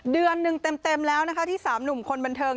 เดือนหนึ่งเต็มแล้วนะคะที่๓หนุ่มคนบันเทิง